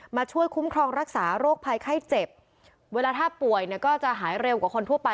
มาช่วยคุ้มครองรักษาโรคภัยไข้เจ็บเวลาถ้าป่วยเนี่ยก็จะหายเร็วกว่าคนทั่วไป